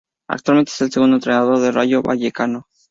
Actualmente es el segundo entrenador del Rayo Vallecano.